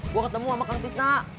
gue ketemu sama kang pisna